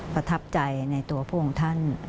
ประทับใจในตัวพระองค์ท่าน